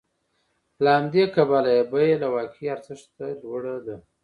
له همدې کبله یې بیه له واقعي ارزښت لوړه ده